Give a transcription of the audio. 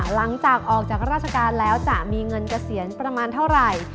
หลังจากออกจากราชการแล้วจะมีเงินเกษียณประมาณเท่าไหร่